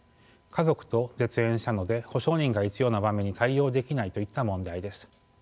家族と絶縁したので保証人が必要な場面に対応できないといった問題です。